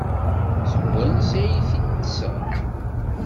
Seg wansi ay t-id-tesɣa?